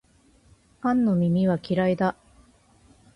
パンの耳は嫌いだ